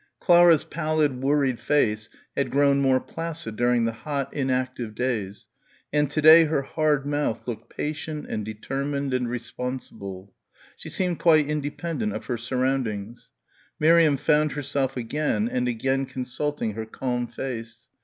Clara's pallid worried face had grown more placid during the hot inactive days, and to day her hard mouth looked patient and determined and responsible. She seemed quite independent of her surroundings. Miriam found herself again and again consulting her calm face.